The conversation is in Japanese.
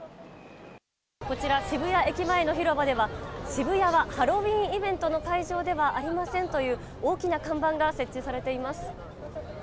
こちら渋谷駅前の広場では渋谷はハロウィーンイベントの対象ではありませんという大きな看板が設置されています。